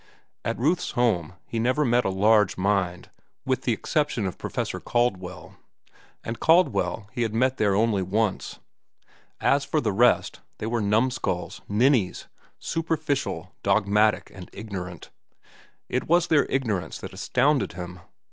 At Ruth's home he never met a large mind, with the exception of Professor Caldwell, and Caldwell he had met there only once. As for the rest, they were numskulls, ninnies, superficial, dogmatic, and ignorant. It was their ignorance that astounded him.